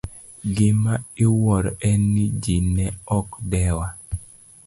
Gima iwuoro en ni ji ne ok dewa.